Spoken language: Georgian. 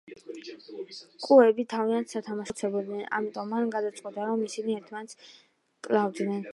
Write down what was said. კუები თავიანთ სათამაშო სასახლეში ხშირად იხოცებოდნენ, ამიტომ მან გადაწყვიტა, რომ ისინი ერთმანეთს კლავდნენ.